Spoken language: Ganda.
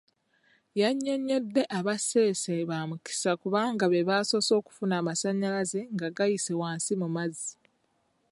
Yannyonnyodde aba Ssese bamukisa kubanga be basoose okufuna amasannyalaze nga gayise wansi mu mazzi.